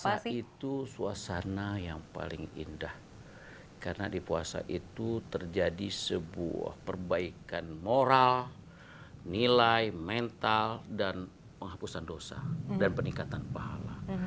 puasa itu suasana yang paling indah karena di puasa itu terjadi sebuah perbaikan moral nilai mental dan penghapusan dosa dan peningkatan pahala